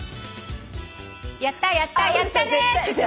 「やったやったやったね！」